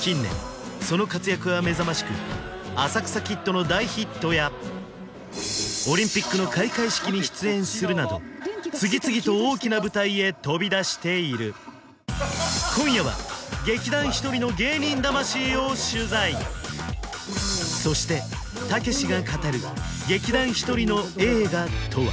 近年その活躍は目覚ましく「浅草キッド」の大ヒットやオリンピックの開会式に出演するなど次々と大きな舞台へ飛び出している今夜は劇団ひとりの芸人魂を取材そしてたけしが語る劇団ひとりの映画とは？